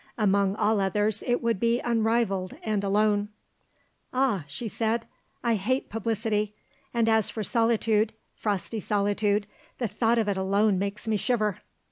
"Among all others it would be unrivalled and alone." "Ah," she said, "I hate publicity, and as for solitude, frosty solitude, the thought of it alone makes me shiver."